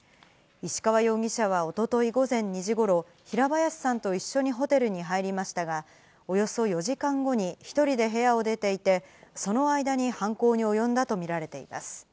石川容疑者はおととい午前２時ごろ、平林さんと一緒にホテルに入りましたが、およそ４時間後に１人で部屋を出ていて、その間に犯行に及んだと見られています。